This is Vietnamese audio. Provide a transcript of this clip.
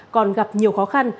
còn gặp nhiều khó khăn